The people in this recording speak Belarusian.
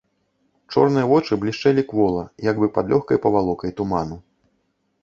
Чорныя вочы блішчэлі квола, як бы пад лёгкай павалокай туману.